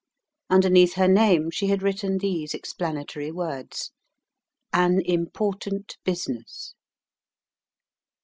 Underneath her name she had written these explanatory words: "An important business."